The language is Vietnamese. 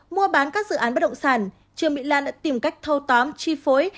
mua bán các dự án bất động sản trương mỹ lan đã tìm cách thâu tóm chi phối